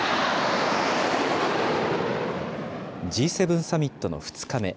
Ｇ７サミットの２日目。